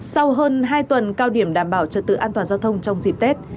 sau hơn hai tuần cao điểm đảm bảo trật tự an toàn giao thông trong dịp tết